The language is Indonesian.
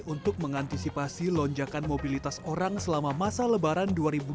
untuk mengantisipasi lonjakan mobilitas orang selama masa lebaran dua ribu dua puluh